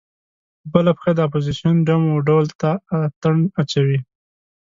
په بله پښه د اپوزیسون ډم و ډول ته اتڼ اچوي.